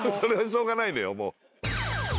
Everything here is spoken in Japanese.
しょうがないのよもう。